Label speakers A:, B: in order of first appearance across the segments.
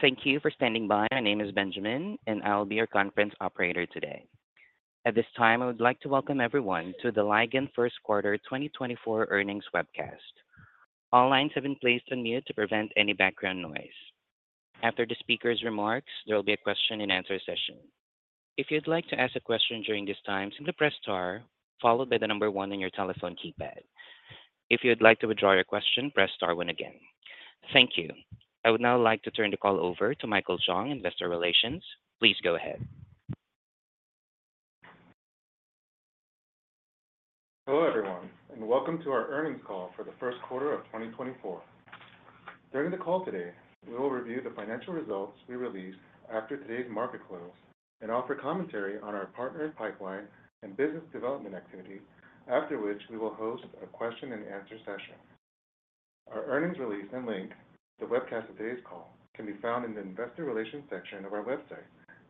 A: Thank you for standing by. My name is Benjamin, and I'll be your conference operator today. At this time, I would like to welcome everyone to the Ligand First Quarter 2024 Earnings Webcast. All lines have been placed on mute to prevent any background noise. After the speaker's remarks, there will be a question and answer session. If you'd like to ask a question during this time, simply press star followed by the number 1 on your telephone keypad. If you'd like to withdraw your question, press star 1 again. Thank you. I would now like to turn the call over to Michael Jeong, Investor Relations. Please go ahead.
B: Hello, everyone, and welcome to our Earnings Call for the First Quarter of 2024. During the call today, we will review the financial results we released after today's market close and offer commentary on our partner pipeline and business development activity, after which we will host a question and answer session. Our earnings release and link to the webcast of today's call can be found in the Investor Relations section of our website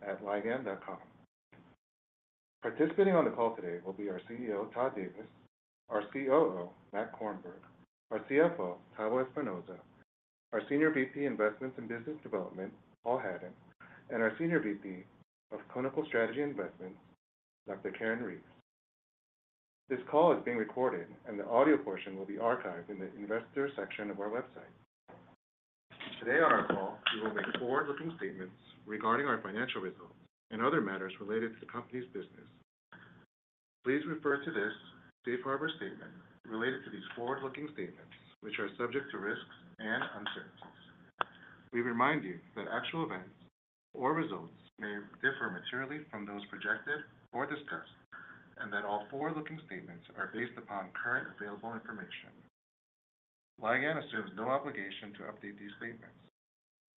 B: at ligand.com. Participating on the call today will be our CEO, Todd Davis, our COO, Matt Korenberg, our CFO, Tavo Espinoza, our Senior VP, Investments and Business Development, Paul Hadden, and our Senior VP of Clinical Strategy and Investments, Dr. Karen Reeves. This call is being recorded, and the audio portion will be archived in the investor section of our website. Today on our call, we will make forward-looking statements regarding our financial results and other matters related to the company's business. Please refer to this safe harbor statement related to these forward-looking statements, which are subject to risks and uncertainties. We remind you that actual events or results may differ materially from those projected or discussed, and that all forward-looking statements are based upon currently available information. Ligand assumes no obligation to update these statements.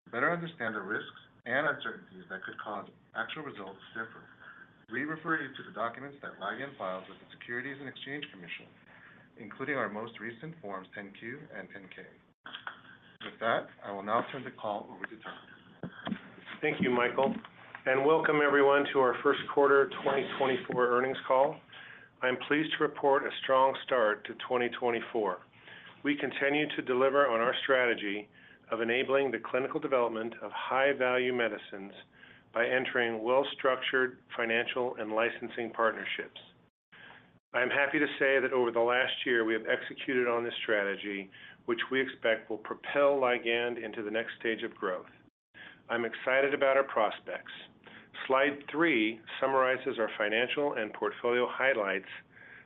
B: To better understand the risks and uncertainties that could cause actual results to differ, we refer you to the documents that Ligand files with the Securities and Exchange Commission, including our most recent Forms 10-Q and 10-K. With that, I will now turn the call over to Todd.
C: Thank you, Michael, and welcome everyone to our first quarter 2024 earnings call. I'm pleased to report a strong start to 2024. We continue to deliver on our strategy of enabling the clinical development of high-value medicines by entering well-structured financial and licensing partnerships. I'm happy to say that over the last year, we have executed on this strategy, which we expect will propel Ligand into the next stage of growth. I'm excited about our prospects. Slide 3 summarizes our financial and portfolio highlights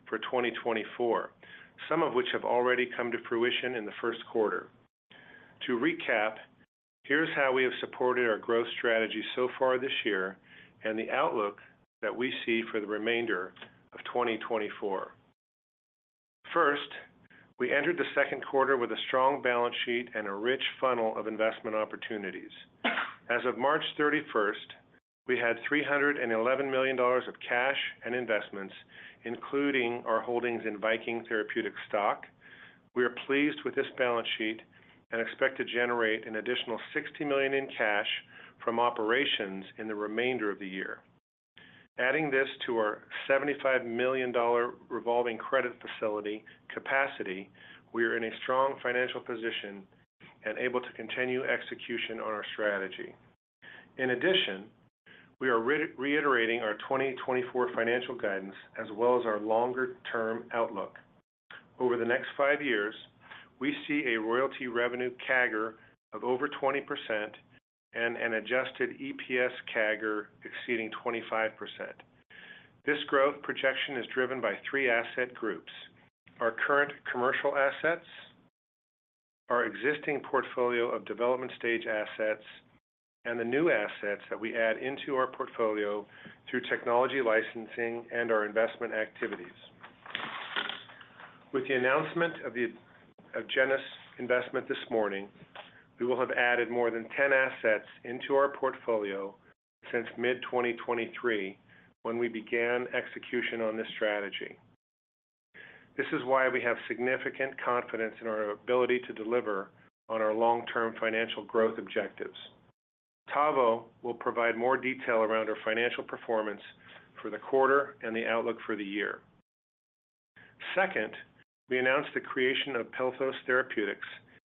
C: for 2024, some of which have already come to fruition in the first quarter. To recap, here's how we have supported our growth strategy so far this year and the outlook that we see for the remainder of 2024. First, we entered the second quarter with a strong balance sheet and a rich funnel of investment opportunities. As of March 31st, we had $311 million of cash and investments, including our holdings in Viking Therapeutics stock. We are pleased with this balance sheet and expect to generate an additional $60 million in cash from operations in the remainder of the year. Adding this to our $75 million revolving credit facility capacity, we are in a strong financial position and able to continue execution on our strategy. In addition, we are reiterating our 2024 financial guidance as well as our longer-term outlook. Over the next 5 years, we see a royalty revenue CAGR of over 20% and an adjusted EPS CAGR exceeding 25%. This growth projection is driven by three asset groups: our current commercial assets, our existing portfolio of development stage assets, and the new assets that we add into our portfolio through technology licensing and our investment activities. With the announcement of the Agenus investment this morning, we will have added more than 10 assets into our portfolio since mid-2023, when we began execution on this strategy. This is why we have significant confidence in our ability to deliver on our long-term financial growth objectives. Tavo will provide more detail around our financial performance for the quarter and the outlook for the year. Second, we announced the creation of Pelthos Therapeutics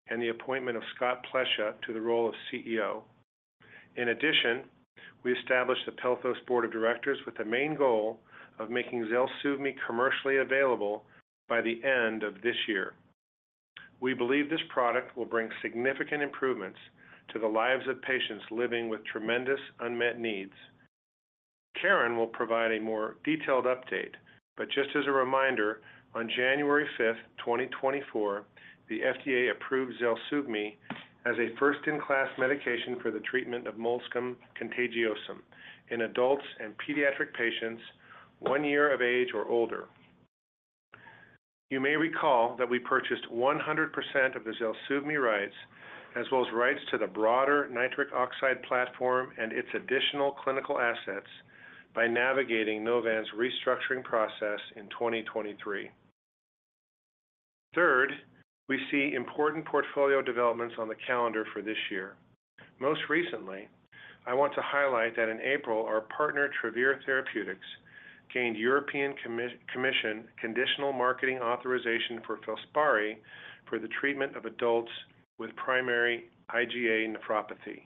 C: and the appointment of Scott Plesha to the role of CEO. In addition, we established the Pelthos board of directors with the main goal of making ZELSUVMI commercially available by the end of this year. We believe this product will bring significant improvements to the lives of patients living with tremendous unmet needs. Karen will provide a more detailed update, but just as a reminder, on January 5, 2024, the FDA approved ZELSUVMI as a first-in-class medication for the treatment of molluscum contagiosum in adults and pediatric patients one year of age or older. You may recall that we purchased 100% of the ZELSUVMI rights, as well as rights to the broader nitric oxide platform and its additional clinical assets by navigating Novan's restructuring process in 2023. Third, we see important portfolio developments on the calendar for this year. Most recently, I want to highlight that in April, our partner, Travere Therapeutics gained European Commission conditional marketing authorization for Filspari for the treatment of adults with primary IgA nephropathy.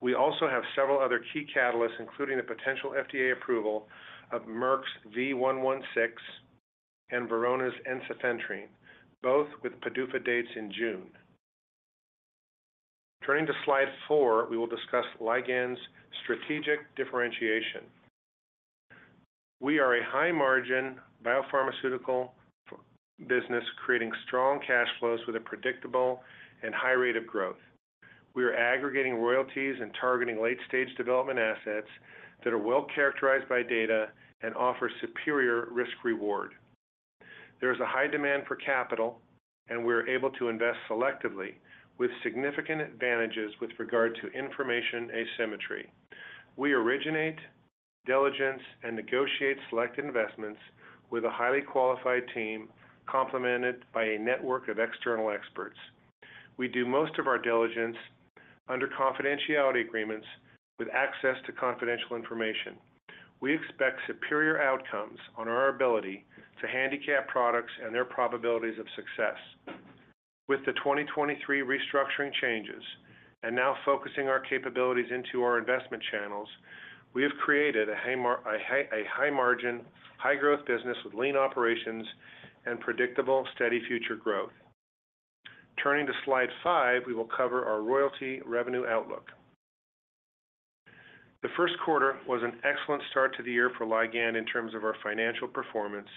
C: We also have several other key catalysts, including the potential FDA approval of Merck's V116 and Verona's ensifentrine, both with PDUFA dates in June. Turning to slide 4, we will discuss Ligand's strategic differentiation. We are a high-margin biopharmaceutical business, creating strong cash flows with a predictable and high rate of growth. We are aggregating royalties and targeting late-stage development assets that are well-characterized by data and offer superior risk-reward. There is a high demand for capital, and we are able to invest selectively with significant advantages with regard to information asymmetry. We originate, diligence, and negotiate select investments with a highly qualified team, complemented by a network of external experts. We do most of our diligence under confidentiality agreements with access to confidential information. We expect superior outcomes on our ability to handicap products and their probabilities of success. With the 2023 restructuring changes and now focusing our capabilities into our investment channels, we have created a high-margin, high-growth business with lean operations and predictable, steady future growth. Turning to slide 5, we will cover our royalty revenue outlook. The first quarter was an excellent start to the year for Ligand in terms of our financial performance,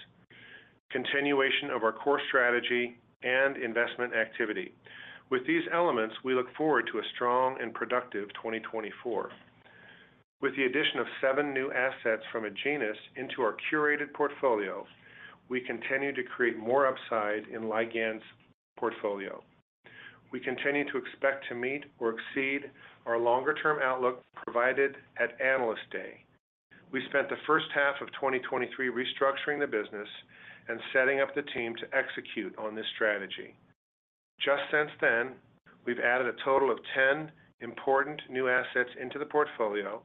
C: continuation of our core strategy, and investment activity. With these elements, we look forward to a strong and productive 2024. With the addition of seven new assets from Agenus into our curated portfolio, we continue to create more upside in Ligand's portfolio. We continue to expect to meet or exceed our longer-term outlook provided at Analyst Day. We spent the first half of 2023 restructuring the business and setting up the team to execute on this strategy. Just since then, we've added a total of 10 important new assets into the portfolio.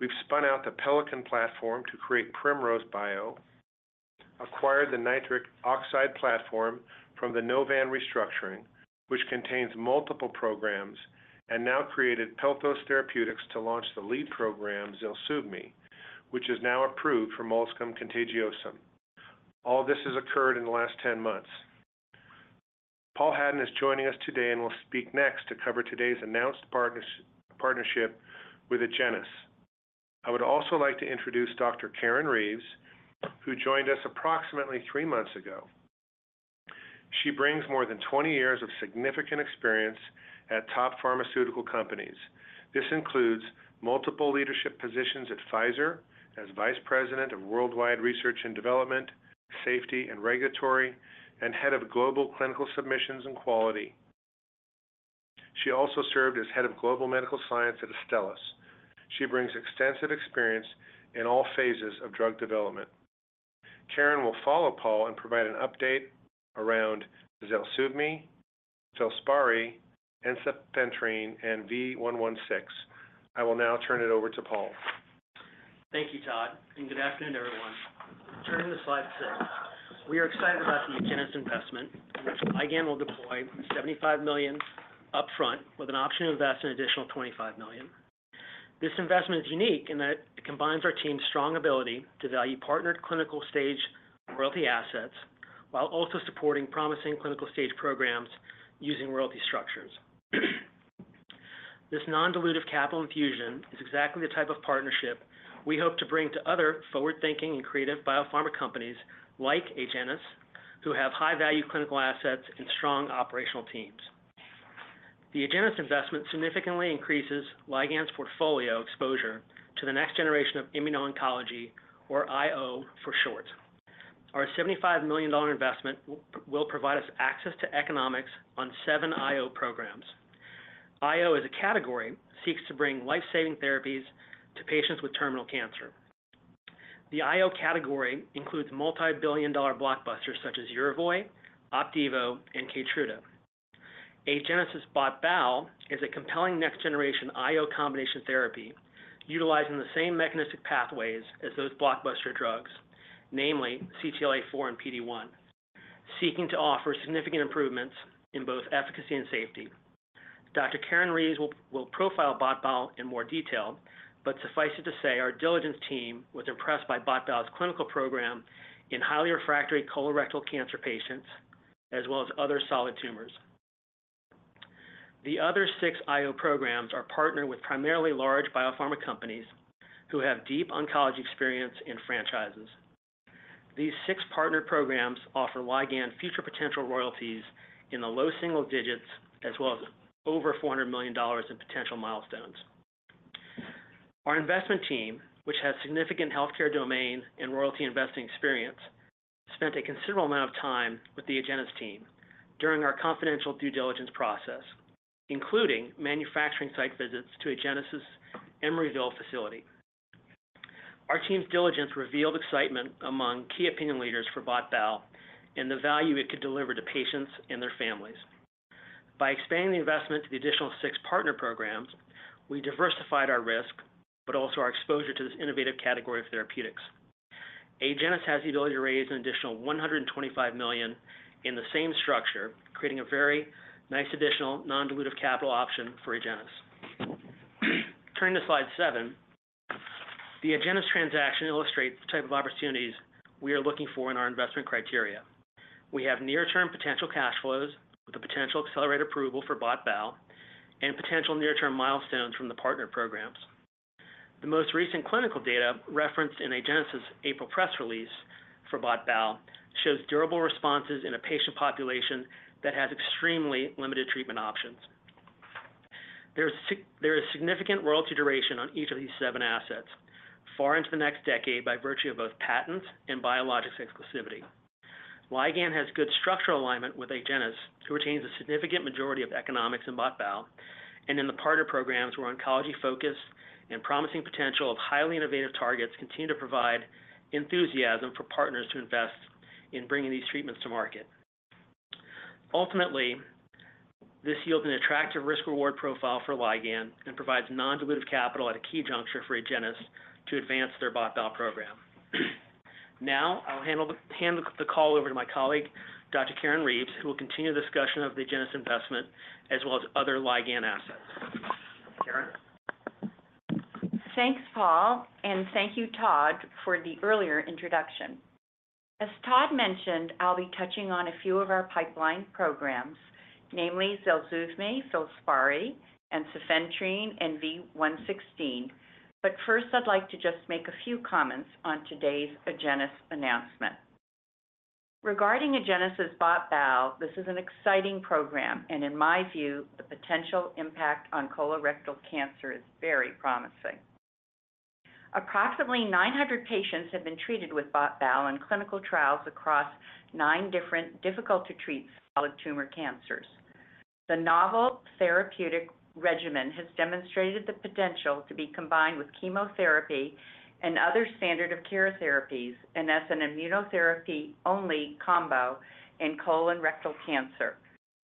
C: We've spun out the Pelican platform to create Primrose Bio, acquired the Nitric oxide platform from the Novan restructuring, which contains multiple programs, and now created Pelthos Therapeutics to launch the lead program, ZELSUVMI, which is now approved for molluscum contagiosum. All this has occurred in the last 10 months. Paul Hadden is joining us today and will speak next to cover today's announced partnership with Agenus. I would also like to introduce Dr. Karen Reeves, who joined us approximately three months ago. She brings more than 20 years of significant experience at top pharmaceutical companies. This includes multiple leadership positions at Pfizer as Vice President of Worldwide Research and Development, Safety and Regulatory, and Head of Global Clinical Submissions and Quality. She also served as Head of Global Medical Science at Astellas. She brings extensive experience in all phases of drug development. Karen will follow Paul and provide an update around ZELSUVMI, Filspari, ensifentrine, and V116. I will now turn it over to Paul.
D: Thank you, Todd, and good afternoon, everyone. Turning to slide 6, we are excited about the Agenus investment, in which Ligand will deploy $75 million upfront with an option to invest an additional $25 million. This investment is unique in that it combines our team's strong ability to value partnered clinical-stage royalty assets, while also supporting promising clinical-stage programs using royalty structures. This non-dilutive capital infusion is exactly the type of partnership we hope to bring to other forward-thinking and creative biopharma companies like Agenus, who have high-value clinical assets and strong operational teams. The Agenus investment significantly increases Ligand's portfolio exposure to the next generation of immuno-oncology, or IO for short. Our $75 million investment will provide us access to economics on seven IO programs. IO, as a category, seeks to bring life-saving therapies to patients with terminal cancer. The IO category includes multi-billion dollar blockbusters such as Yervoy, Opdivo, and Keytruda. Agenus's BOT/BAL is a compelling next-generation IO combination therapy utilizing the same mechanistic pathways as those blockbuster drugs, namely CTLA-4 and PD-1, seeking to offer significant improvements in both efficacy and safety. Dr. Karen Reeves will profile BOT/BAL in more detail, but suffice it to say, our diligence team was impressed by BOT/BAL's clinical program in highly refractory colorectal cancer patients, as well as other solid tumors. The other six IO programs are partnered with primarily large biopharma companies who have deep oncology experience and franchises. These six partnered programs offer Ligand future potential royalties in the low single digits, as well as over $400 million in potential milestones. Our investment team, which has significant healthcare domain and royalty investing experience, spent a considerable amount of time with the Agenus team during our confidential due diligence process, including manufacturing site visits to Agenus' Emeryville facility. Our team's diligence revealed excitement among key opinion leaders for BOT/BAL and the value it could deliver to patients and their families. By expanding the investment to the additional six partner programs, we diversified our risk, but also our exposure to this innovative category of therapeutics. Agenus has the ability to raise an additional $125 million in the same structure, creating a very nice additional non-dilutive capital option for Agenus. Turning to slide 7, the Agenus transaction illustrates the type of opportunities we are looking for in our investment criteria. We have near-term potential cash flows with the potential accelerated approval for BOT/BAL, and potential near-term milestones from the partner programs. The most recent clinical data, referenced in Agenus' April press release for BOT/BAL, shows durable responses in a patient population that has extremely limited treatment options. There is significant royalty duration on each of these seven assets, far into the next decade by virtue of both patents and biologics exclusivity. Ligand has good structural alignment with Agenus, who retains a significant majority of economics in BOT/BAL, and in the partner programs, where oncology focus and promising potential of highly innovative targets continue to provide enthusiasm for partners to invest in bringing these treatments to market. Ultimately, this yields an attractive risk-reward profile for Ligand and provides non-dilutive capital at a key juncture for Agenus to advance their BOT/BAL program. Now, I'll hand the call over to my colleague, Dr. Karen Reeves, who will continue the discussion of the Agenus investment as well as other Ligand assets. Karen?
E: Thanks, Paul, and thank you, Todd, for the earlier introduction. As Todd mentioned, I'll be touching on a few of our pipeline programs, namely ZELSUVMI, Filspari, and ensifentrine and V116. But first, I'd like to just make a few comments on today's Agenus announcement. Regarding Agenus' BOT/BAL, this is an exciting program, and in my view, the potential impact on colorectal cancer is very promising. Approximately 900 patients have been treated with BOT/BAL in clinical trials across nine different difficult-to-treat solid tumor cancers. The novel therapeutic regimen has demonstrated the potential to be combined with chemotherapy and other standard of care therapies, and as an immunotherapy-only combo in colorectal cancer,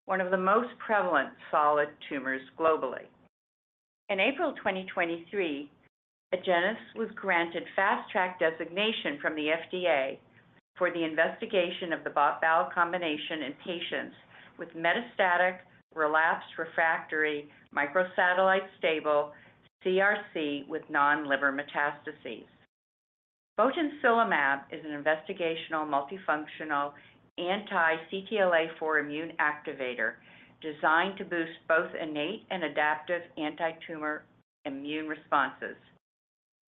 E: one of the most prevalent solid tumors globally. In April 2023, Agenus was granted Fast Track designation from the FDA for the investigation of the BOT/BAL combination in patients with metastatic, relapsed, refractory, microsatellite stable CRC with non-liver metastases. Botensilimab is an investigational multifunctional anti-CTLA-4 immune activator designed to boost both innate and adaptive antitumor immune responses.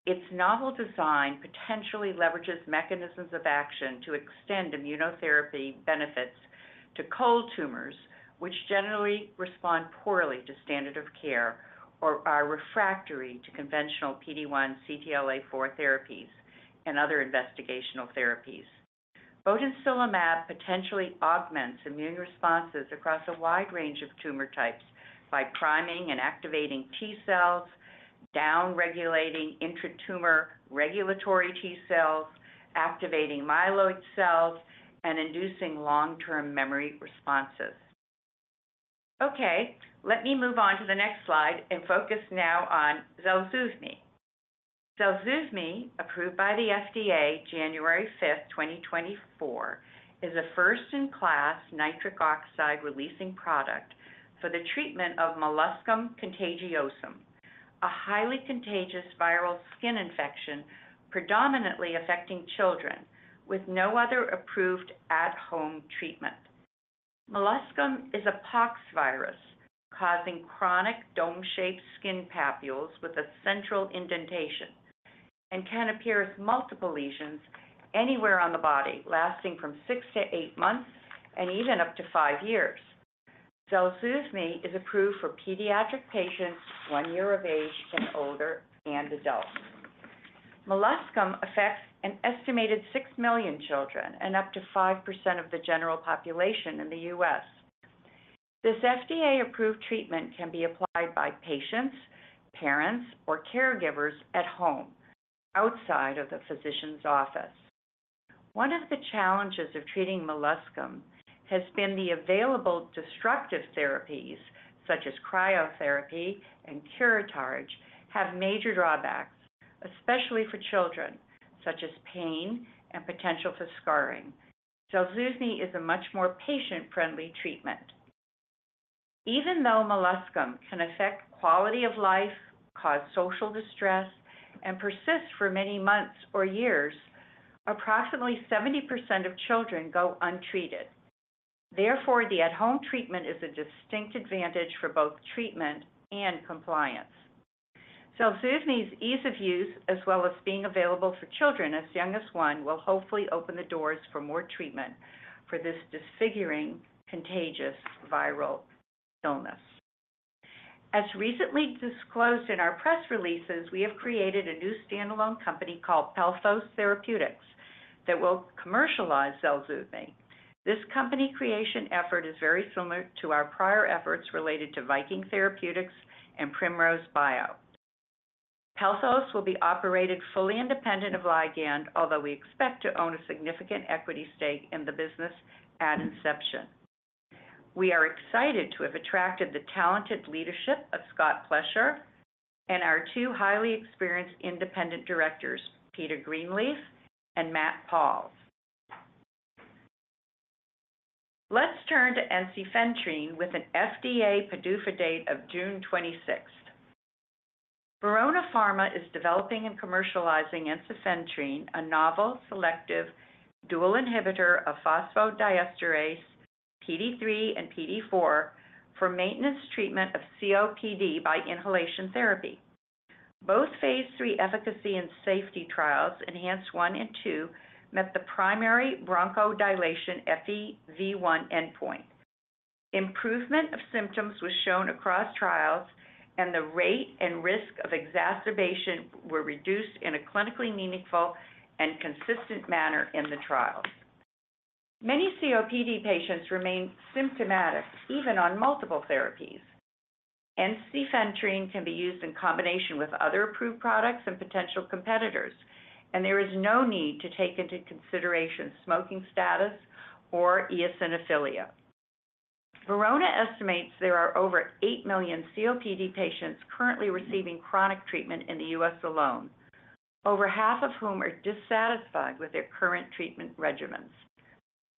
E: Its novel design potentially leverages mechanisms of action to extend immunotherapy benefits to cold tumors, which generally respond poorly to standard of care, or are refractory to conventional PD-1, CTLA-4 therapies and other investigational therapies. Botensilimab potentially augments immune responses across a wide range of tumor types by priming and activating T cells, downregulating intratumor regulatory T cells, activating myeloid cells, and inducing long-term memory responses. Okay, let me move on to the next slide and focus now on ZELSUVMI. ZELSUVMI, approved by the FDA January 5, 2024, is a first-in-class nitric oxide-releasing product for the treatment of molluscum contagiosum, a highly contagious viral skin infection predominantly affecting children, with no other approved at-home treatment. Molluscum is a pox virus causing chronic dome-shaped skin papules with a central indentation and can appear as multiple lesions anywhere on the body, lasting 6-8 months and even up to 5 years. ZELSUVMI is approved for pediatric patients 1 year of age and older and adults. Molluscum affects an estimated 6 million children and up to 5% of the general population in the U.S. This FDA-approved treatment can be applied by patients, parents, or caregivers at home, outside of the physician's office. One of the challenges of treating molluscum has been the available destructive therapies, such as cryotherapy and curettage, have major drawbacks, especially for children, such as pain and potential for scarring. ZELSUVMI is a much more patient-friendly treatment. Even though molluscum can affect quality of life, cause social distress, and persist for many months or years, approximately 70% of children go untreated. Therefore, the at-home treatment is a distinct advantage for both treatment and compliance. ZELSUVMI's ease of use, as well as being available for children as young as one, will hopefully open the doors for more treatment for this disfiguring, contagious viral illness. As recently disclosed in our press releases, we have created a new standalone company called Pelthos Therapeutics that will commercialize ZELSUVMI. This company creation effort is very similar to our prior efforts related to Viking Therapeutics and Primrose Bio.... Pelthos will be operated fully independent of Ligand, although we expect to own a significant equity stake in the business at inception. We are excited to have attracted the talented leadership of Scott Plesha and our two highly experienced independent directors, Peter Greenleaf and Matt Pauls. Let's turn to ensifentrine with an FDA PDUFA date of June 26. Verona Pharma is developing and commercializing ensifentrine, a novel selective dual inhibitor of phosphodiesterase PDE3 and PDE4, for maintenance treatment of COPD by inhalation therapy. Both phase III efficacy and safety trials, Enhance 1 and 2, met the primary bronchodilation FEV1 endpoint. Improvement of symptoms was shown across trials, and the rate and risk of exacerbation were reduced in a clinically meaningful and consistent manner in the trial. Many COPD patients remain symptomatic, even on multiple therapies. Ensifentrine can be used in combination with other approved products and potential competitors, and there is no need to take into consideration smoking status or eosinophilia. Verona estimates there are over 8 million COPD patients currently receiving chronic treatment in the U.S. alone, over half of whom are dissatisfied with their current treatment regimens.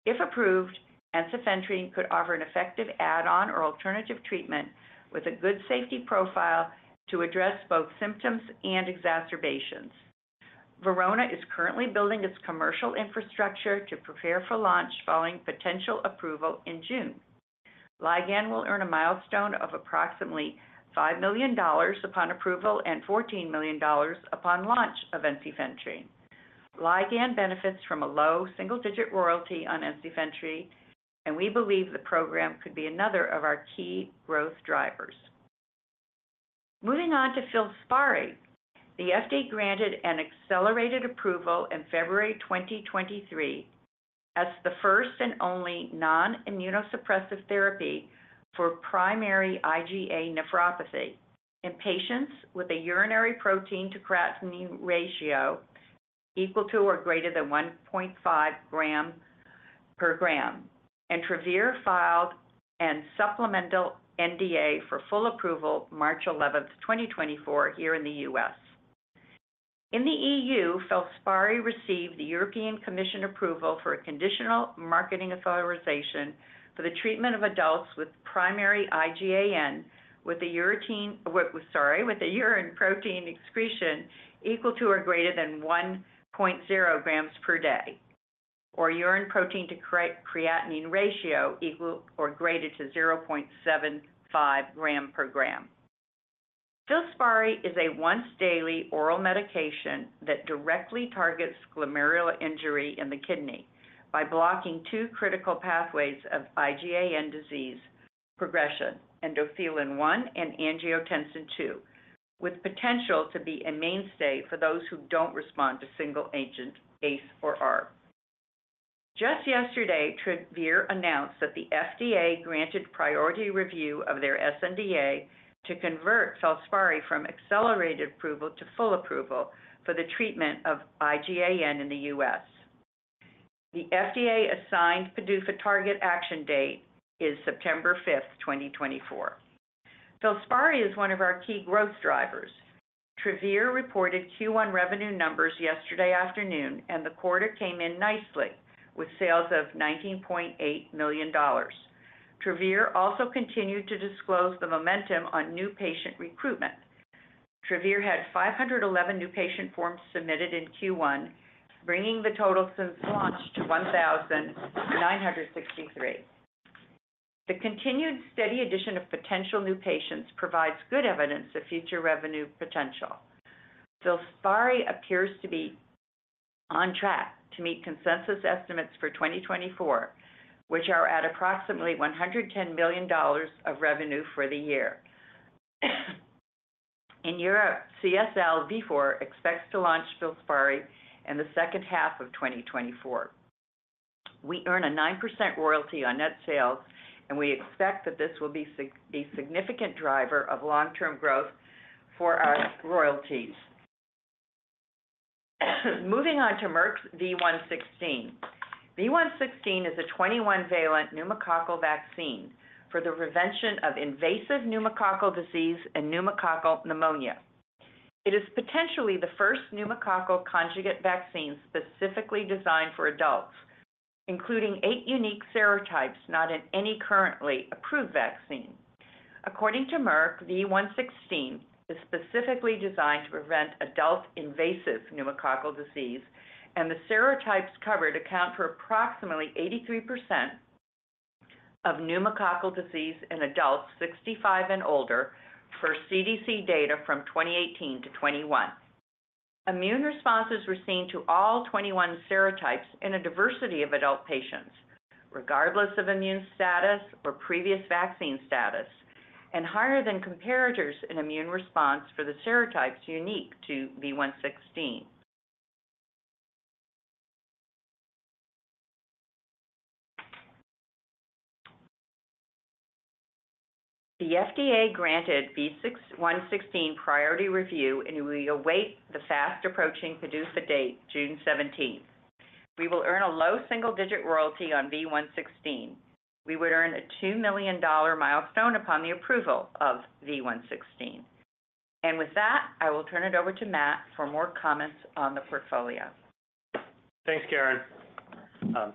E: If approved, ensifentrine could offer an effective add-on or alternative treatment with a good safety profile to address both symptoms and exacerbations. Verona is currently building its commercial infrastructure to prepare for launch following potential approval in June. Ligand will earn a milestone of approximately $5 million upon approval and $14 million upon launch of ensifentrine. Ligand benefits from a low single-digit royalty on ensifentrine, and we believe the program could be another of our key growth drivers. Moving on to Filspari, the FDA granted an accelerated approval in February 2023 as the first and only non-immunosuppressive therapy for primary IgA nephropathy in patients with a urinary protein to creatinine ratio equal to or greater than 1.5 gram per gram, and Travere filed a supplemental NDA for full approval March 11, 2024, here in the U.S. In the EU, Filspari received the European Commission approval for a conditional marketing authorization for the treatment of adults with primary IgAN with a urine protein excretion equal to or greater than 1.0 grams per day, or urine protein to creatinine ratio equal or greater to 0.75 gram per gram. Filspari is a once-daily oral medication that directly targets glomerular injury in the kidney by blocking two critical pathways of IgAN disease progression, endothelin 1 and angiotensin 2, with potential to be a mainstay for those who don't respond to single-agent ACE or ARB. Just yesterday, Travere announced that the FDA granted priority review of their sNDA to convert Filspari from accelerated approval to full approval for the treatment of IgAN in the U.S. The FDA assigned PDUFA target action date is September 5, 2024. Filspari is one of our key growth drivers. Travere reported Q1 revenue numbers yesterday afternoon, and the quarter came in nicely with sales of $19.8 million. Travere also continued to disclose the momentum on new patient recruitment. Travere had 511 new patient forms submitted in Q1, bringing the total since launch to 1,963. The continued steady addition of potential new patients provides good evidence of future revenue potential. Filspari appears to be on track to meet consensus estimates for 2024, which are at approximately $110 million of revenue for the year. In Europe, CSL Vifor expects to launch Filspari in the second half of 2024. We earn a 9% royalty on net sales, and we expect that this will be a significant driver of long-term growth for our royalties. Moving on to Merck's V116. V116 is a 21-valent pneumococcal vaccine for the prevention of invasive pneumococcal disease and pneumococcal pneumonia. It is potentially the first pneumococcal conjugate vaccine specifically designed for adults, including eight unique serotypes not in any currently approved vaccine. According to Merck, V116 is specifically designed to prevent adult invasive pneumococcal disease, and the serotypes covered account for approximately 83% of pneumococcal disease in adults 65 and older per CDC data from 2018 to 2021. Immune responses were seen to all 21 serotypes in a diversity of adult patients, regardless of immune status or previous vaccine status, and higher than comparators in immune response for the serotypes unique to V116. The FDA granted V116 priority review, and we await the fast-approaching PDUFA date, June 17th. We will earn a low single-digit royalty on V116. We would earn a $2 million milestone upon the approval of V116. And with that, I will turn it over to Matt for more comments on the portfolio.
F: Thanks, Karen.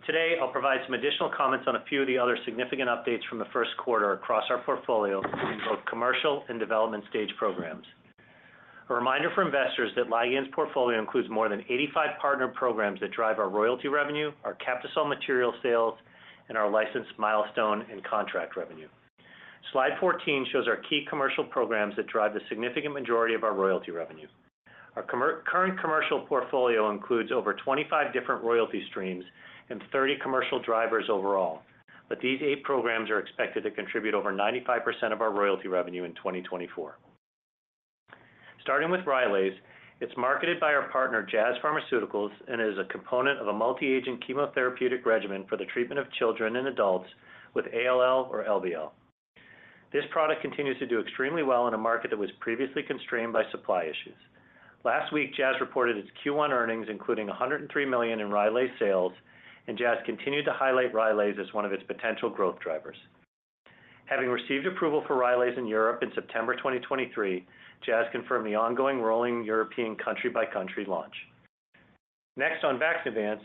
F: Today, I'll provide some additional comments on a few of the other significant updates from the first quarter across our portfolio in both commercial and development stage programs. A reminder for investors that Ligand's portfolio includes more than 85 partner programs that drive our royalty revenue, our Captisol material sales, and our licensed milestone and contract revenue. Slide 14 shows our key commercial programs that drive the significant majority of our royalty revenue. Our current commercial portfolio includes over 25 different royalty streams and 30 commercial drivers overall, but these eight programs are expected to contribute over 95% of our royalty revenue in 2024. Starting with Rylaze, it's marketed by our partner, Jazz Pharmaceuticals, and is a component of a multi-agent chemotherapeutic regimen for the treatment of children and adults with ALL or LBL. This product continues to do extremely well in a market that was previously constrained by supply issues. Last week, Jazz reported its Q1 earnings, including $103 million in Rylaze sales, and Jazz continued to highlight Rylaze as one of its potential growth drivers. Having received approval for Rylaze in Europe in September 2023, Jazz confirmed the ongoing rolling European country-by-country launch. Next, on Vaxneuvance.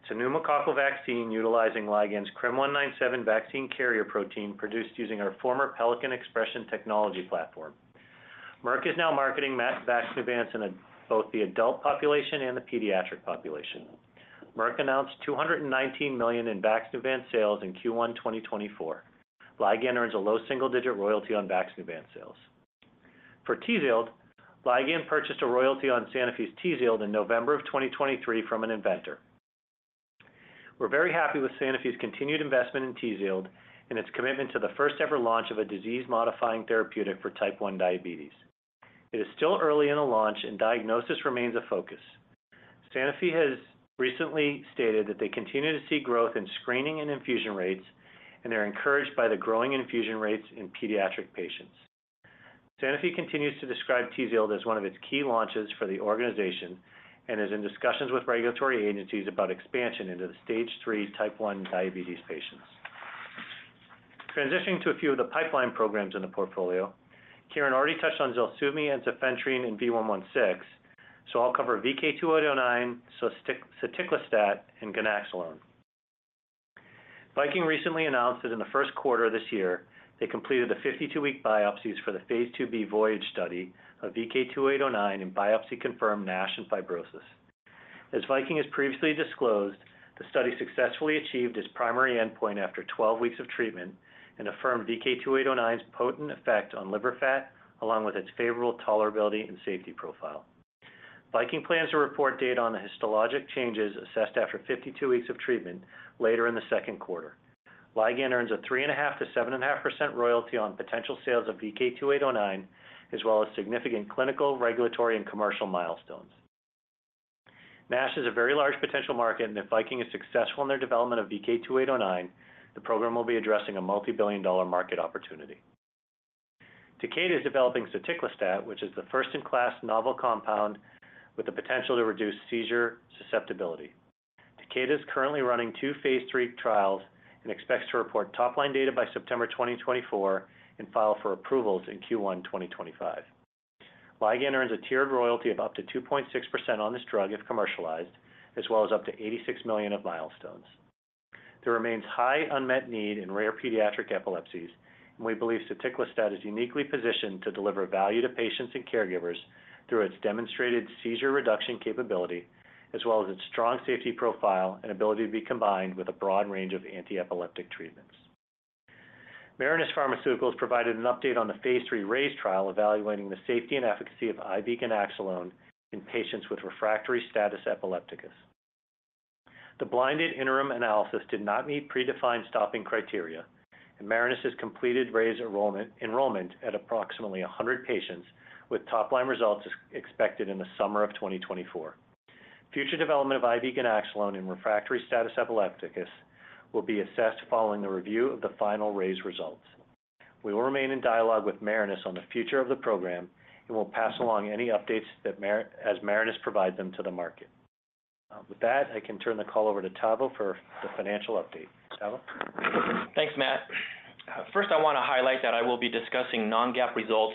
F: It's a pneumococcal vaccine utilizing Ligand's CRM197 vaccine carrier protein, produced using our former Pelican Expression technology platform. Merck is now marketing Vaxneuvance in both the adult population and the pediatric population. Merck announced $219 million in Vaxneuvance sales in Q1 2024. Ligand earns a low single-digit royalty on Vaxneuvance sales. For TZIELD, Ligand purchased a royalty on Sanofi's TZIELD in November 2023 from an inventor. We're very happy with Sanofi's continued investment in TZIELD and its commitment to the first-ever launch of a disease-modifying therapeutic for Type 1 diabetes. It is still early in the launch, and diagnosis remains a focus. Sanofi has recently stated that they continue to see growth in screening and infusion rates, and they're encouraged by the growing infusion rates in pediatric patients. Sanofi continues to describe TZIELD as one of its key launches for the organization and is in discussions with regulatory agencies about expansion into the stage 3 Type 1 diabetes patients. Transitioning to a few of the pipeline programs in the portfolio, Karen already touched on ZELSUVMI and ensifentrine and V116, so I'll cover VK2809, soticlestat, and ganaxolone. Viking recently announced that in the first quarter of this year, they completed the 52-week biopsies for the phase II-b Voyage study of VK2809, and biopsy-confirmed NASH and fibrosis. As Viking has previously disclosed, the study successfully achieved its primary endpoint after 12 weeks of treatment and affirmed VK2809's potent effect on liver fat, along with its favorable tolerability and safety profile. Viking plans to report data on the histologic changes assessed after 52 weeks of treatment later in the second quarter. Ligand earns a 3.5%-7.5% royalty on potential sales of VK2809, as well as significant clinical, regulatory, and commercial milestones. NASH is a very large potential market, and if Viking is successful in their development of VK2809, the program will be addressing a multi-billion-dollar market opportunity. Takeda is developing soticlestat, which is the first-in-class novel compound with the potential to reduce seizure susceptibility. Takeda is currently running two phase III trials and expects to report top-line data by September 2024 and file for approvals in Q1 2025. Ligand earns a tiered royalty of up to 2.6% on this drug if commercialized, as well as up to $86 million of milestones. There remains high unmet need in rare pediatric epilepsies, and we believe soticlestat is uniquely positioned to deliver value to patients and caregivers through its demonstrated seizure reduction capability, as well as its strong safety profile and ability to be combined with a broad range of antiepileptic treatments. Marinus Pharmaceuticals provided an update on the phase III RAISE trial, evaluating the safety and efficacy of IV ganaxolone in patients with refractory status epilepticus. The blinded interim analysis did not meet predefined stopping criteria, and Marinus has completed RAISE enrollment at approximately 100 patients, with top-line results expected in the summer of 2024. Future development of IV ganaxolone in refractory status epilepticus will be assessed following the review of the final RAISE results. We will remain in dialogue with Marinus on the future of the program, and we'll pass along any updates that Marinus provides them to the market. With that, I can turn the call over to Tavo for the financial update. Tavo?
G: Thanks, Matt. First, I want to highlight that I will be discussing non-GAAP results,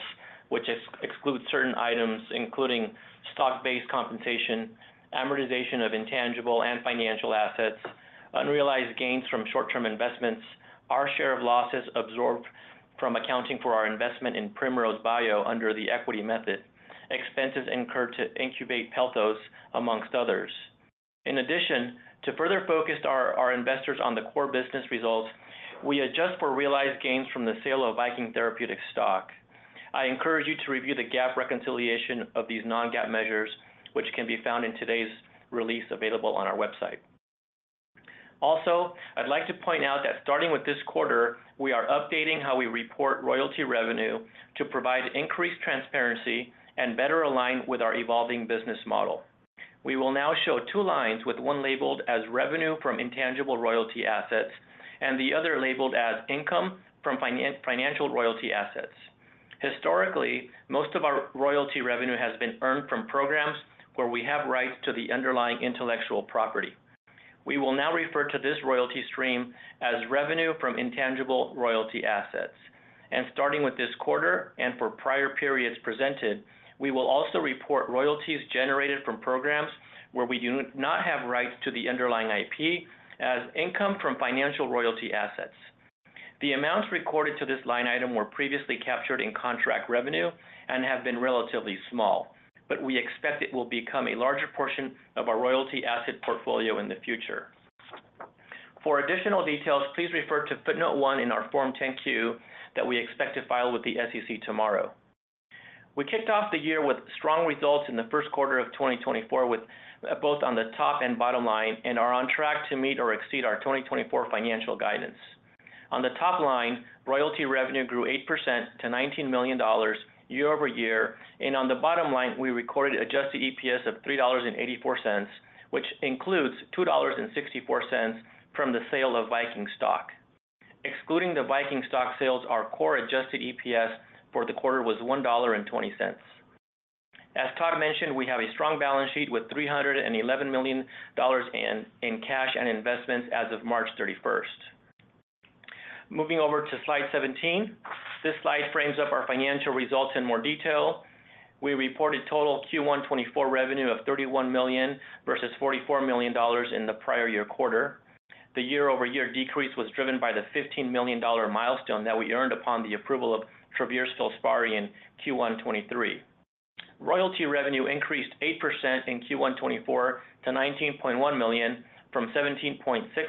G: which excludes certain items, including stock-based compensation, amortization of intangible and financial assets, unrealized gains from short-term investments, our share of losses absorbed from accounting for our investment in Primrose Bio under the equity method, expenses incurred to incubate Pelthos, amongst others. In addition, to further focus our investors on the core business results, we adjust for realized gains from the sale of Viking Therapeutics stock. I encourage you to review the GAAP reconciliation of these non-GAAP measures, which can be found in today's release available on our website. Also, I'd like to point out that starting with this quarter, we are updating how we report royalty revenue to provide increased transparency and better align with our evolving business model. We will now show two lines, with one labeled as revenue from intangible royalty assets, and the other labeled as income from financial royalty assets. Historically, most of our royalty revenue has been earned from programs where we have rights to the underlying intellectual property. We will now refer to this royalty stream as revenue from intangible royalty assets. Starting with this quarter, and for prior periods presented, we will also report royalties generated from programs where we do not have rights to the underlying IP as income from financial royalty assets. The amounts recorded to this line item were previously captured in contract revenue and have been relatively small, but we expect it will become a larger portion of our royalty asset portfolio in the future. For additional details, please refer to footnote 1 in our Form 10-Q that we expect to file with the SEC tomorrow. We kicked off the year with strong results in the first quarter of 2024, with both on the top and bottom line, and are on track to meet or exceed our 2024 financial guidance. On the top line, royalty revenue grew 8% to $19 million year-over-year, and on the bottom line, we recorded adjusted EPS of $3.84, which includes $2.64 from the sale of Viking Stock. Excluding the Viking stock sales, our core adjusted EPS for the quarter was $1.20. As Todd mentioned, we have a strong balance sheet with $311 million in cash and investments as of March 31st. Moving over to slide 17. This slide frames up our financial results in more detail. We reported total Q1 2024 revenue of $31 million versus $44 million in the prior year quarter. The year-over-year decrease was driven by the $15 million milestone that we earned upon the approval of Travere Filspari in Q1 2023. Royalty revenue increased 8% in Q1 2024 to $19.1 million from $17.6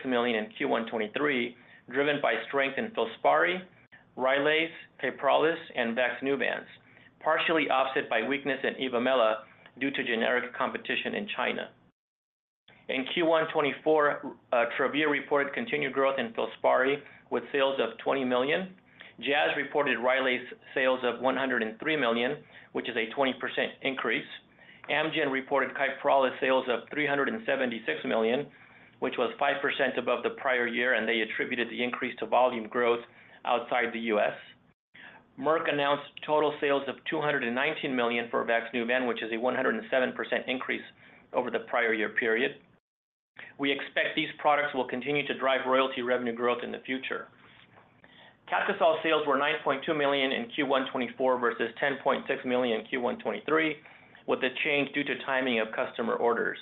G: million in Q1 2023, driven by strength in Filspari, Rylaze, Kyprolis, and Vaxneuvance, partially offset by weakness in Evomela due to generic competition in China. In Q1 2024, Travere reported continued growth in Filspari, with sales of $20 million. Jazz reported Rylaze sales of $103 million, which is a 20% increase. Amgen reported Kyprolis sales of $376 million, which was 5% above the prior year, and they attributed the increase to volume growth outside the U.S.. Merck announced total sales of $219 million for Vaxneuvance, which is a 107% increase over the prior year period. We expect these products will continue to drive royalty revenue growth in the future. Captisol sales were $9.2 million in Q1 2024 versus $10.6 million in Q1 2023, with the change due to timing of customer orders.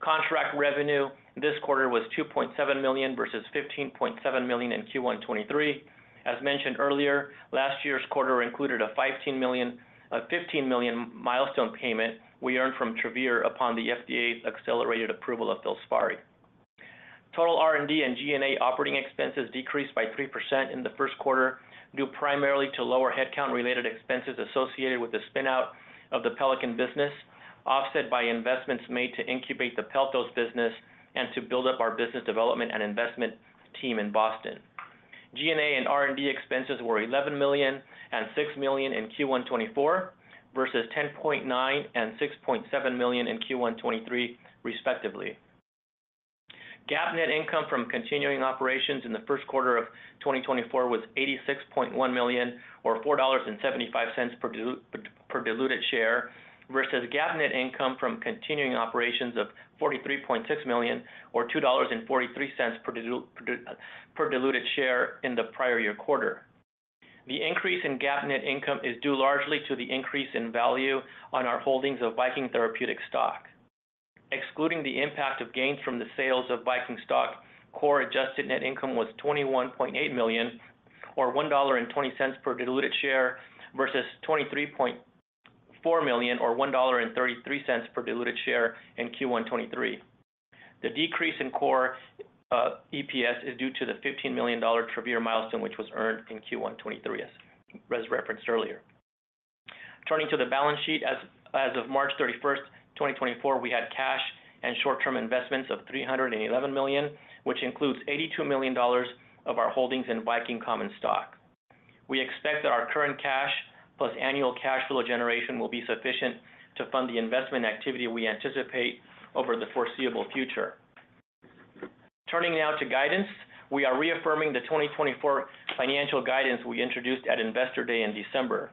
G: Contract revenue this quarter was $2.7 million versus $15.7 million in Q1 2023. As mentioned earlier, last year's quarter included a $15 million, $15 million milestone payment we earned from Travere upon the FDA's accelerated approval of Filspari. Total R&D and G&A operating expenses decreased by 3% in the first quarter, due primarily to lower headcount-related expenses associated with the spin-out of the Pelican business, offset by investments made to incubate the Pelthos business and to build up our business development and investment team in Boston. G&A and R&D expenses were $11 million and $6 million in Q1 2024 versus $10.9 million and $6.7 million in Q1 2023, respectively. GAAP net income from continuing operations in the first quarter of 2024 was $86.1 million, or $4.75 per diluted share, versus GAAP net income from continuing operations of $43.6 million, or $2.43 per diluted share in the prior year quarter. The increase in GAAP net income is due largely to the increase in value on our holdings of Viking Therapeutics stock. Excluding the impact of gains from the sales of Viking stock, core adjusted net income was $21.8 million, or $1.20 per diluted share, versus $23.4 million, or $1.33 per diluted share in Q1 2023. The decrease in core EPS is due to the $15 million Travere milestone, which was earned in Q1 2023, as referenced earlier. Turning to the balance sheet, as of March 31, 2024, we had cash and short-term investments of $311 million, which includes $82 million of our holdings in Viking common stock. We expect that our current cash plus annual cash flow generation will be sufficient to fund the investment activity we anticipate over the foreseeable future. Turning now to guidance, we are reaffirming the 2024 financial guidance we introduced at Investor Day in December.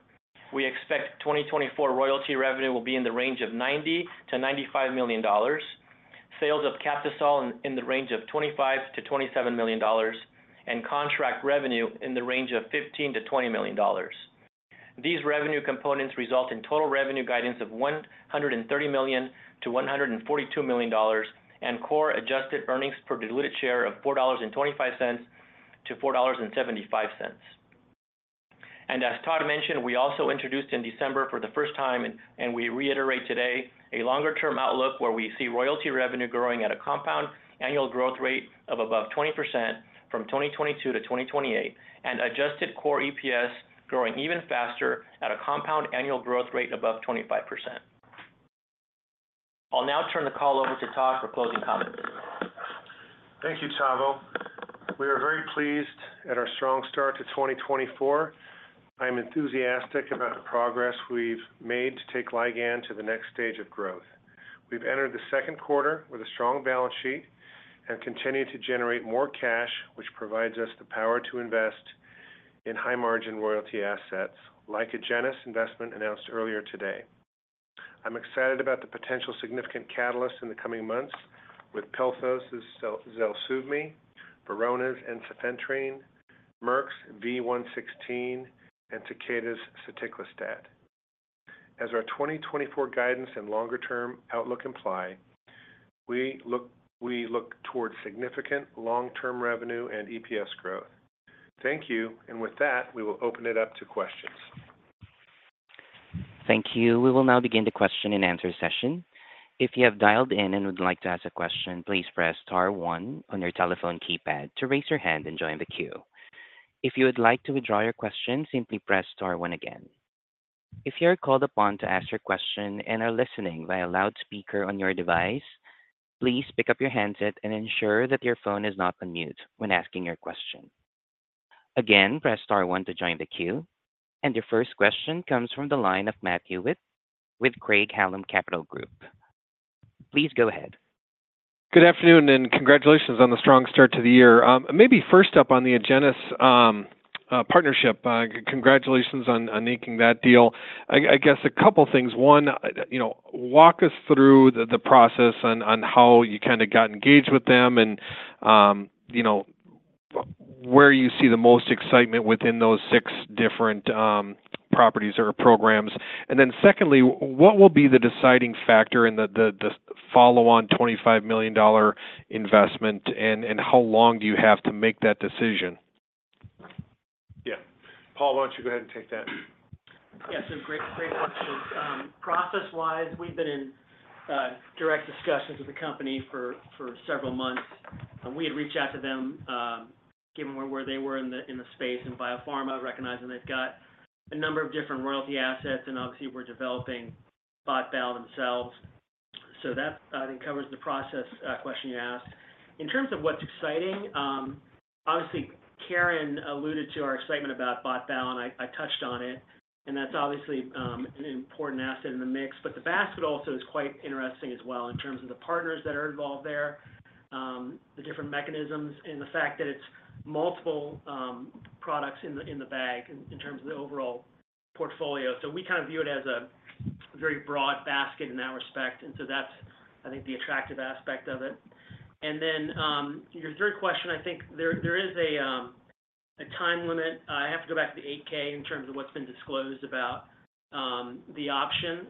G: We expect 2024 royalty revenue will be in the range of $90-$95 million. Sales of Captisol in the range of $25-$27 million, and contract revenue in the range of $15-$20 million. These revenue components result in total revenue guidance of $130-$142 million, and core adjusted earnings per diluted share of $4.25-$4.75. And as Todd mentioned, we also introduced in December for the first time, and we reiterate today, a longer-term outlook, where we see royalty revenue growing at a compound annual growth rate of above 20% from 2022 to 2028, and adjusted core EPS growing even faster at a compound annual growth rate above 25%. I'll now turn the call over to Todd for closing comments.
C: Thank you, Tavo. We are very pleased at our strong start to 2024. I'm enthusiastic about the progress we've made to take Ligand to the next stage of growth. We've entered the second quarter with a strong balance sheet and continue to generate more cash, which provides us the power to invest in high-margin royalty assets, like Agenus investment announced earlier today. I'm excited about the potential significant catalysts in the coming months with Pelthos's ZELSUVMI, Verona's ensifentrine, Merck's V116, and Takeda's soticlestat. As our 2024 guidance and longer-term outlook imply, we look towards significant long-term revenue and EPS growth. Thank you. And with that, we will open it up to questions.
A: Thank you. We will now begin the question and answer session. If you have dialed in and would like to ask a question, please press star one on your telephone keypad to raise your hand and join the queue. If you would like to withdraw your question, simply press star one again. If you are called upon to ask your question and are listening via loudspeaker on your device, please pick up your handset and ensure that your phone is not on mute when asking your question. Again, press star one to join the queue, and your first question comes from the line of Matt Hewitt with Craig-Hallum Capital Group. Please go ahead.
H: Good afternoon, and congratulations on the strong start to the year. Maybe first up on the Agenus partnership, congratulations on making that deal. I guess a couple things. One, you know, walk us through the process on how you kinda got engaged with them and, you know, where you see the most excitement within those six different properties or programs. And then secondly, what will be the deciding factor in the follow-on $25 million investment, and how long do you have to make that decision?
C: Yeah. Paul, why don't you go ahead and take that?
D: Yeah, so great, great questions. Process-wise, we've been in direct discussions with the company for several months, and we had reached out to them, given where they were in the space in biopharma, recognizing they've got a number of different royalty assets, and obviously, were developing BOT/BAL themselves. So that, I think, covers the process question you asked. In terms of what's exciting, obviously, Karen alluded to our excitement about BOT/BAL, and I touched on it, and that's obviously an important asset in the mix. But the basket also is quite interesting as well in terms of the partners that are involved there, the different mechanisms, and the fact that it's multiple products in the bag in terms of the overall portfolio. So we kind of view it as a very broad basket in that respect, and so that's, I think, the attractive aspect of it. And then, your third question, I think there, there is a, a time limit. I have to go back to the 8-K in terms of what's been disclosed about, the option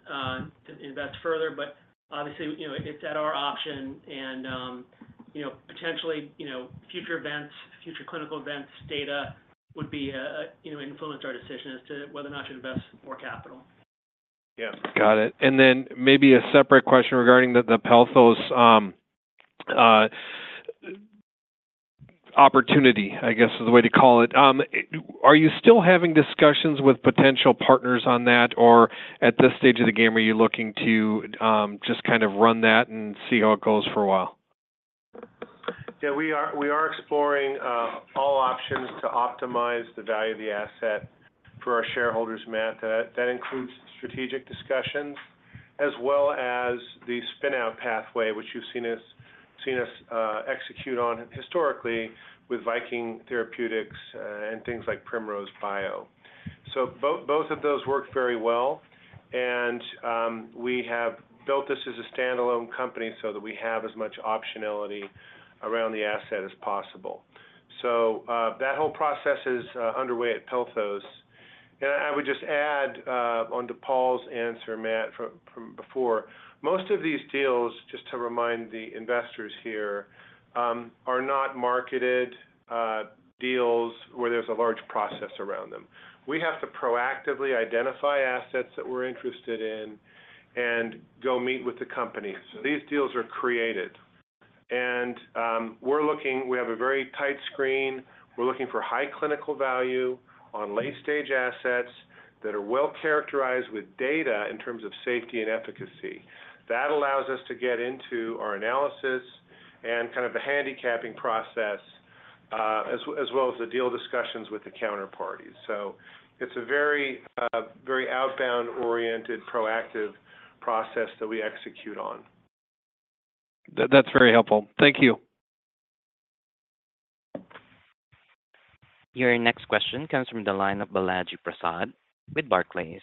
D: to invest further, but obviously, you know, it's at our option and, you know, potentially, you know, future events, future clinical events, data would be, you know, influence our decision as to whether or not to invest more capital.
H: Yeah, got it. Then maybe a separate question regarding the Pelthos opportunity, I guess, is the way to call it. Are you still having discussions with potential partners on that, or at this stage of the game, are you looking to just kind of run that and see how it goes for a while?
C: Yeah, we are, we are exploring all options to optimize the value of the asset for our shareholders, Matt. That, that includes strategic discussions as well as the spin-out pathway, which you've seen us, seen us execute on historically with Viking Therapeutics and things like Primrose Bio. So both, both of those work very well, and we have built this as a standalone company so that we have as much optionality around the asset as possible. So that whole process is underway at Pelthos. And I would just add on to Paul's answer, Matt, from, from before. Most of these deals, just to remind the investors here, are not marketed deals where there's a large process around them. We have to proactively identify assets that we're interested in and go meet with the companies. So these deals are created. We're looking. We have a very tight screen. We're looking for high clinical value on late-stage assets that are well-characterized with data in terms of safety and efficacy. That allows us to get into our analysis and kind of the handicapping process, as well as the deal discussions with the counterparties. So it's a very, very outbound-oriented, proactive process that we execute on.
H: That's very helpful. Thank you.
A: Your next question comes from the line of Balaji Prasad with Barclays.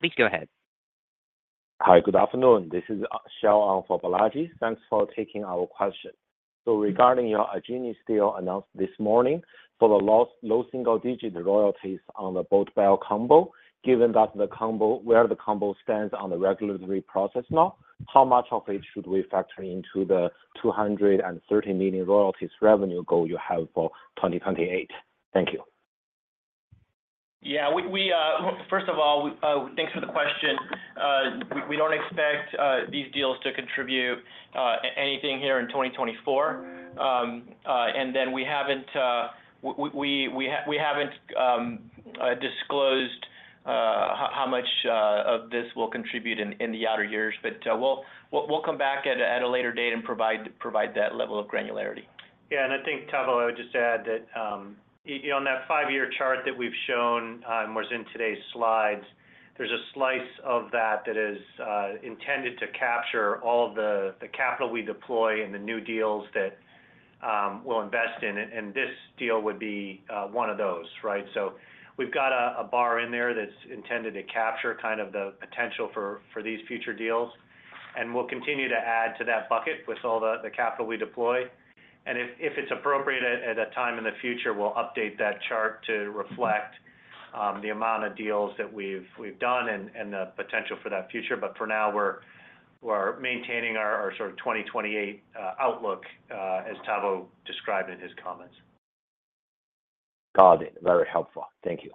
A: Please go ahead.
I: Hi, good afternoon. This is Shail for Balaji. Thanks for taking our question. So regarding your Agenus deal announced this morning, for the low, low single-digit royalties on the BOT/BAL combo, given that the combo, where the combo stands on the regulatory process now, how much of it should we factor into the $230 million royalties revenue goal you have for 2028? Thank you.
G: Yeah, first of all, thanks for the question. We don't expect these deals to contribute anything here in 2024. And then we haven't disclosed how much of this will contribute in the outer years, but we'll come back at a later date and provide that level of granularity.
F: Yeah, and I think, Tavo, I would just add that, you know, on that five-year chart that we've shown, was in today's slides, there's a slice of that that is intended to capture all the capital we deploy and the new deals that we'll invest in, and this deal would be one of those, right? So we've got a bar in there that's intended to capture kind of the potential for these future deals, and we'll continue to add to that bucket with all the capital we deploy. And if it's appropriate at a time in the future, we'll update that chart to reflect the amount of deals that we've done and the potential for that future. But for now, we're maintaining our sort of 2028 outlook, as Tavo described in his comments.
I: Got it. Very helpful. Thank you.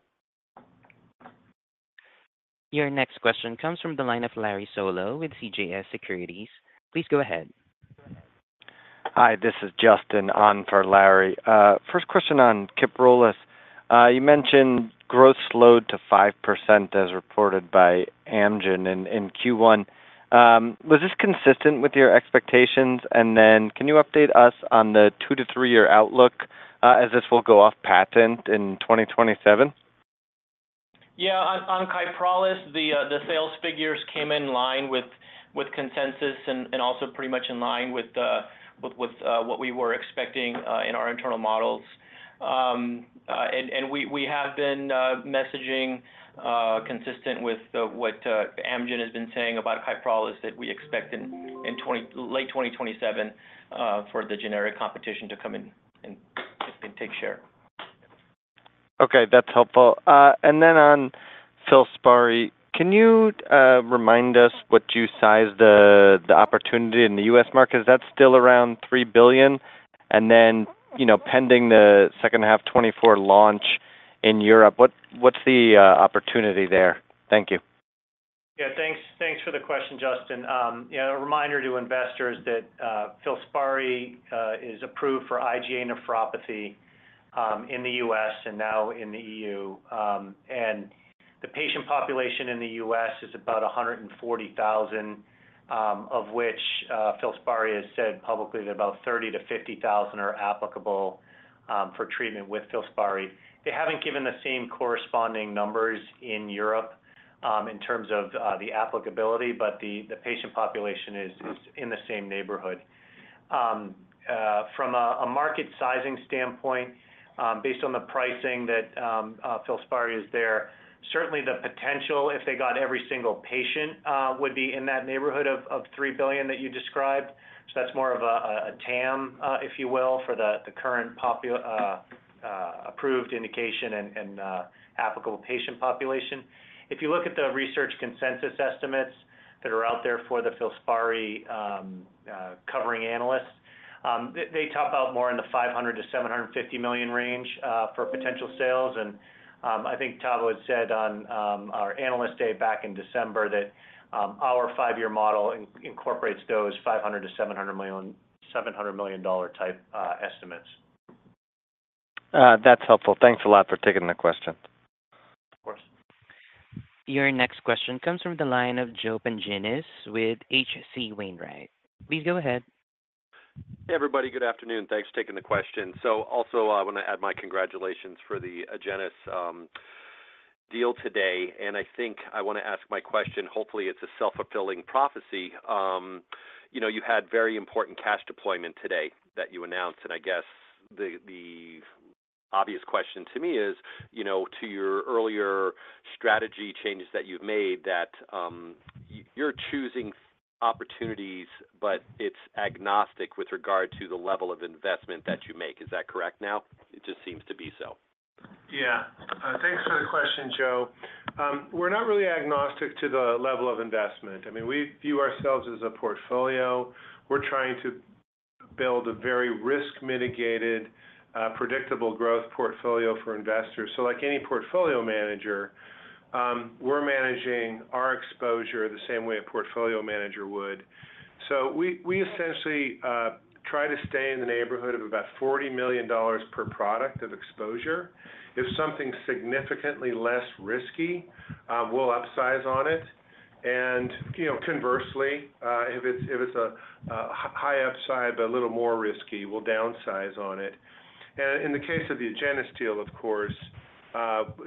A: Your next question comes from the line of Larry Solow with CJS Securities. Please go ahead.
J: Hi, this is Justin on for Larry. First question on Kyprolis. You mentioned growth slowed to 5%, as reported by Amgen in Q1. Was this consistent with your expectations? And then can you update us on the 2 to 3-year outlook, as this will go off patent in 2027?
G: Yeah, on Kyprolis, the sales figures came in line with consensus and also pretty much in line with what we were expecting in our internal models. And we have been messaging consistent with what Amgen has been saying about Kyprolis, that we expect in late 2027 for the generic competition to come in and take share.
J: Okay, that's helpful. And then on Filspari, can you remind us what you sized the opportunity in the U.S. market? Is that still around $3 billion? And then, you know, pending the second half 2024 launch in Europe, what's the opportunity there? Thank you.
F: Yeah, thanks. Thanks for the question, Justin. You know, a reminder to investors that Filspari is approved for IgA nephropathy in the US and now in the EU. And the patient population in the US is about 140,000, of which Filspari has said publicly that about 30,000-50,000 are applicable for treatment with Filspari. They haven't given the same corresponding numbers in Europe in terms of the applicability, but the patient population is in the same neighborhood. From a market sizing standpoint, based on the pricing that Filspari is there, certainly the potential, if they got every single patient, would be in that neighborhood of $3 billion that you described. So that's more of a TAM, if you will, for the current approved indication and applicable patient population. If you look at the research consensus estimates that are out there for the Filspari, covering analysts, they top out more in the $500 million-$750 million range for potential sales. I think Tavo had said on our Analyst Day back in December, that our five-year model incorporates those $500 million-$700 million, $700 million dollar type estimates.
J: That's helpful. Thanks a lot for taking the question.
F: Of course.
A: Your next question comes from the line of Joe Pantginis with H.C. Wainwright. Please go ahead.
K: Hey, everybody. Good afternoon. Thanks for taking the question. So also, I want to add my congratulations for the Agenus deal today, and I think I want to ask my question. Hopefully, it's a self-fulfilling prophecy. You know, you had very important cash deployment today that you announced, and I guess the obvious question to me is, you know, to your earlier strategy changes that you've made, that you're choosing opportunities, but it's agnostic with regard to the level of investment that you make. Is that correct now? It just seems to be so.
C: Yeah. Thanks for the question, Joe. We're not really agnostic to the level of investment. I mean, we view ourselves as a portfolio. We're trying to build a very risk-mitigated, predictable growth portfolio for investors. So like any portfolio manager, we're managing our exposure the same way a portfolio manager would. So we essentially try to stay in the neighborhood of about $40 million per product of exposure. If something's significantly less risky, we'll upsize on it, and, you know, conversely, if it's a high upside but a little more risky, we'll downsize on it. And in the case of the Agenus deal, of course,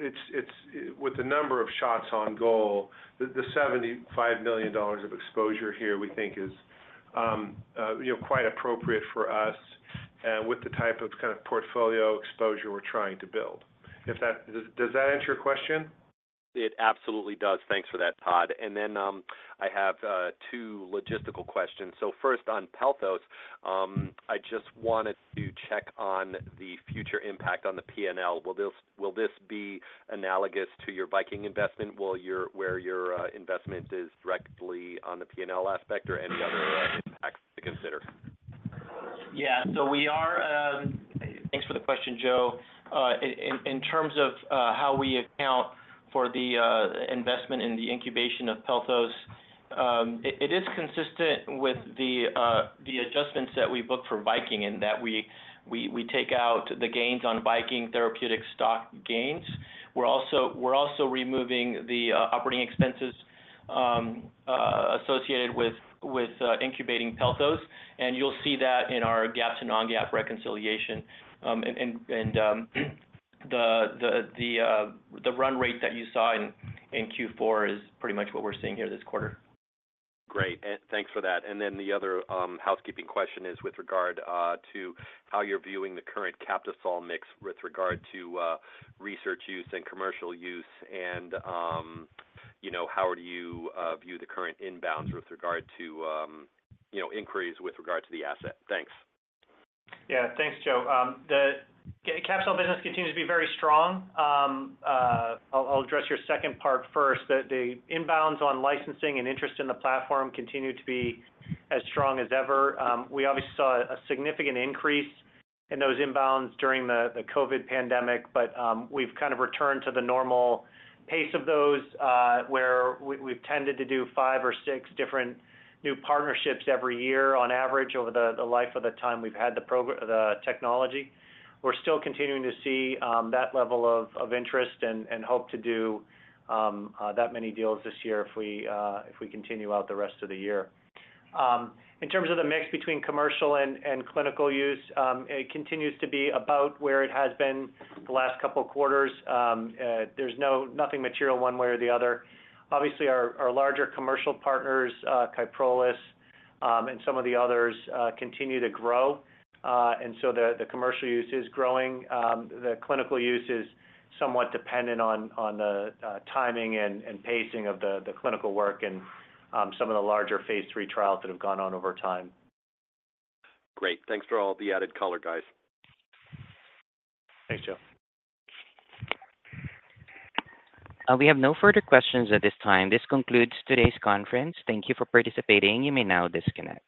C: it's with the number of shots on goal, the $75 million of exposure here, we think is, you know, quite appropriate for us, with the type of kind of portfolio exposure we're trying to build. If that. Does that answer your question?
K: It absolutely does. Thanks for that, Todd. And then, I have two logistical questions. So first on Pelthos, I just wanted to check on the future impact on the P&L. Will this be analogous to your Viking investment, where your investment is directly on the P&L aspect or any other impacts to consider?
G: Yeah. So we are. Thanks for the question, Joe. In terms of how we account for the investment in the incubation of Pelthos it is consistent with the adjustments that we booked for Viking in that we take out the gains on Viking Therapeutics stock gains. We're also removing the operating expenses associated with incubating Pelthos, and you'll see that in our GAAP to non-GAAP reconciliation. And the run rate that you saw in Q4 is pretty much what we're seeing here this quarter.
K: Great. And thanks for that. And then the other housekeeping question is with regard to how you're viewing the current Captisol mix with regard to research use and commercial use, and you know, how do you view the current inbounds with regard to you know, inquiries with regard to the asset? Thanks.
F: Yeah, thanks, Joe. The Captisol business continues to be very strong. I'll address your second part first. The inbounds on licensing and interest in the platform continue to be as strong as ever. We obviously saw a significant increase in those inbounds during the COVID pandemic, but we've kind of returned to the normal pace of those, where we've tended to do five or six different new partnerships every year on average, over the life of the time we've had the technology. We're still continuing to see that level of interest and hope to do that many deals this year if we continue out the rest of the year. In terms of the mix between commercial and clinical use, it continues to be about where it has been the last couple of quarters. There's nothing material, one way or the other. Obviously, our larger commercial partners, Kyprolis and some of the others, continue to grow. And so the commercial use is growing. The clinical use is somewhat dependent on the timing and pacing of the clinical work and some of the larger phase III trials that have gone on over time.
K: Great. Thanks for all the added color, guys.
F: Thanks, Joe.
A: We have no further questions at this time. This concludes today's conference. Thank you for participating. You may now disconnect.